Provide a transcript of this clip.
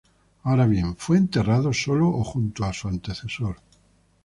Ahora bien, ¿fue enterrado solo o junto a su antecesor?